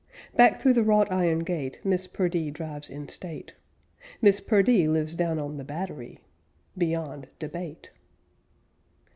Back through the wrought iron gate Miss Perdee drives in state. Miss Perdee lives down on the Battery! Beyond debate.